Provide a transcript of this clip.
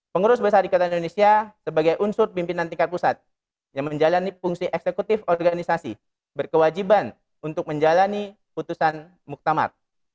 pengurus besar ikatan indonesia sebagai unsur pimpinan tingkat pusat yang menjalani fungsi eksekutif organisasi berkewajiban untuk menjalani putusan muktamar